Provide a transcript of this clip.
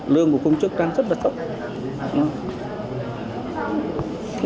lương của công chức đang rất là thấp